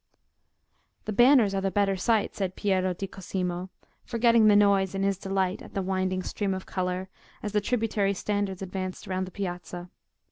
"The banners are the better sight," said Piero di Cosimo, forgetting the noise in his delight at the winding stream of colour as the tributary standards advanced round the piazza.